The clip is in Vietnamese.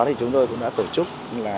thì chúng tôi cũng đã tổ chức